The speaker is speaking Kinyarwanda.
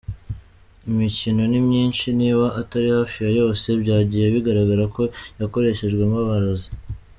Imikino ni myinshi niba atari hafi ya yose, byagiye bigaragara ko yakoreshejwemo amarozi.